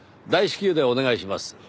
大至急でお願いします。